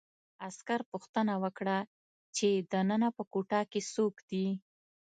عسکر پوښتنه وکړه چې دننه په کوټه کې څوک دي